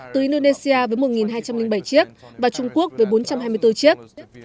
từ indonesia với một hai trăm linh bảy chiếc và trung quốc với bốn trăm hai mươi bốn chiếc